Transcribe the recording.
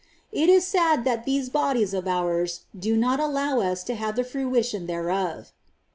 It is sad that these bodies of ours do not allow us to have the fruition thereof.